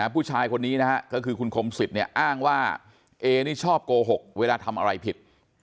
ผู้ชายคนนี้นะฮะก็คือคุณคมสิทธิ์เนี่ยอ้างว่าเอนี่ชอบโกหกเวลาทำอะไรผิด